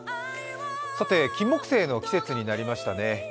さてキンモクセイの季節になりましたね。